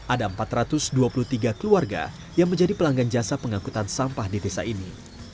ada empat ratus dua puluh tiga keluarga yang menjadi pelanggan jasa pengangkutan sampah di desa ini